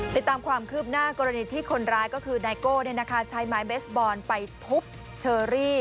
ติดตามความคืบหน้ากรณีที่คนร้ายก็คือไนโก้ใช้ไม้เบสบอลไปทุบเชอรี่